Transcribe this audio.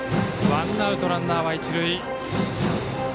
ワンアウト、ランナーは一塁。